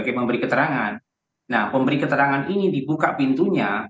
oke memberi keterangan nah pemberi keterangan ini dibuka pintunya